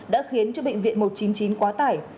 đã khiến cho bệnh viện một trăm chín mươi chín quá tải